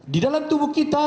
di dalam tubuh kita